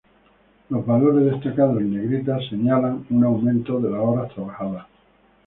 Los valores destacados en negrita señalan un aumento en las horas trabajadas.